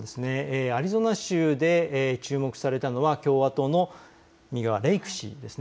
アリゾナ州で注目されたのは共和党の右側、レイク氏です。